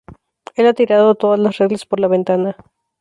Él ha tirado todas las reglas por la ventana.